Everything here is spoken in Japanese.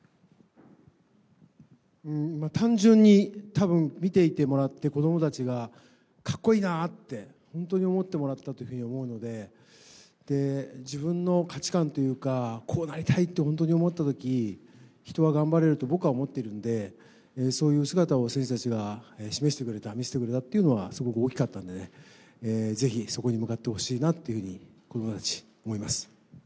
単純にたぶん、見ていてもらって、子どもたちがかっこいいなって、本当に思ってもらったというふうに思うので、自分の価値観っていうか、こうなりたいって本当に思ったとき、人は頑張れると僕は思っているので、そういう姿を選手たちが示してくれた、見せてくれたっていうのは、すごく大きかったんでね、ぜひ、そこに向かってほしいなっていうふうに子どもたち、思います。